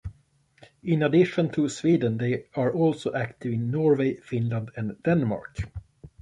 In addition to Sweden, they are also active in Norway, Finland, and Denmark.